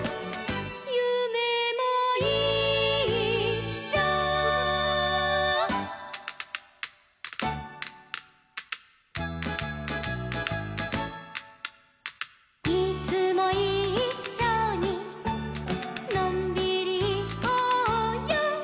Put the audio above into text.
「ゆめもいっしょ」「いつもいっしょにのんびりいこうよ」